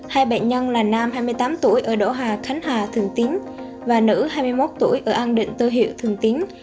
hai bệnh nhân là nam hai mươi tám tuổi ở đỗ hà khánh hà thường tiến và nữ hai mươi một tuổi ở an định tư hiệu thường tiến